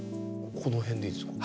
この辺でいいですか？